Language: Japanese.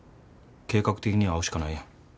計画的に会うしかないやん。